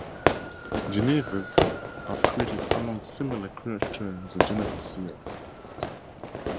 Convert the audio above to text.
Geneva's have created along similar criteria the Geneva seal.